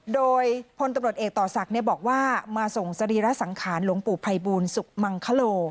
โดยพลตำรวจเอกต่อศักดิ์บอกว่ามาส่งสรีระสังขารหลวงปู่ภัยบูลสุขมังคโล